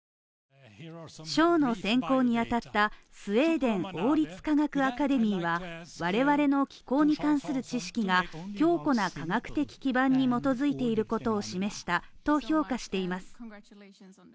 賞の選考に当たったスウェーデン王立科学アカデミーは我々の気候に関する知識が強固な科学的基盤に基づいていることを示したと評価しています。